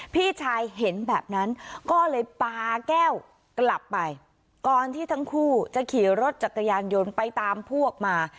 พี่ชายเห็นแบบนั้นก็เลยปาแก้วกลับไปก่อนที่ทั้งคู่จะขี่รถจักรยานยนต์ไปตามพวกมา